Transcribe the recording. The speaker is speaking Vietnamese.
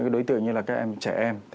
đối tượng như là các em trẻ em